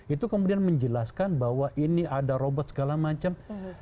itu kemudian menjelaskan bahwa ini ada robot segala macam